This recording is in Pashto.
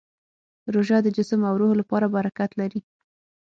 روژه د جسم او روح لپاره برکت لري.